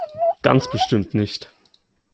Ganz bestimmt nicht.